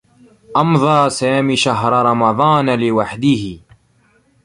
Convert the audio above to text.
أمضى سامي شهر رمضان لوحده.